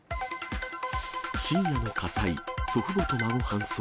深夜の火災、祖父母と孫搬送。